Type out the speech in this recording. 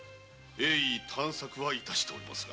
鋭意探索は致しておりますが。